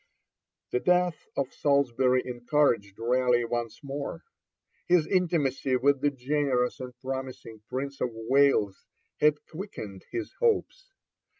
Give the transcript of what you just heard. The death of Salisbury encouraged Raleigh once more. His intimacy with the generous and promising Prince of Wales had quickened his hopes.